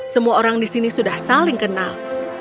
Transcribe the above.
semua orang di sini sudah saling kenal